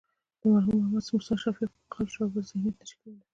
د مرحوم محمد موسی شفیق په قول شاګرد ذهنیت نه شي کولی.